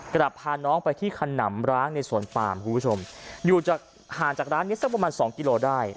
พาน้องไปที่ขนำร้างในสวนปามคุณผู้ชมอยู่จากห่างจากร้านนี้สักประมาณสองกิโลได้